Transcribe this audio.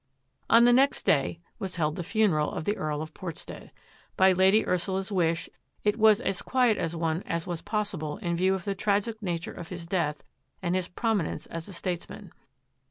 On the next day was held the funeral of the Earl of Portstead. By Lady Ursula's wish, it was as quiet a one as was possible in view of the tragic nature of his death and his prominence as a states man.